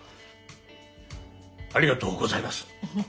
ありがとうございます。